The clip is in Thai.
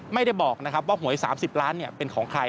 ไม่ได้บอกนะครับว่าหวย๓๐ล้านเป็นของใคร